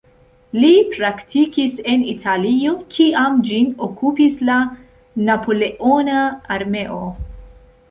Li praktikis en Italio, kiam ĝin okupis la napoleona armeo.